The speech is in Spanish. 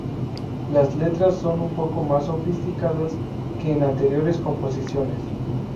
Las letras son un poco más sofisticadas que en anteriores composiciones.